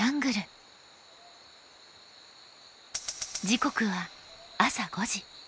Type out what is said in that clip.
時刻は朝５時。